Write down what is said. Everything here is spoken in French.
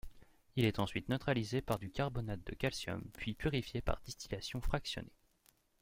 Il est ensuite neutralisé par du carbonate de calcium puis purifié par distillation fractionnée.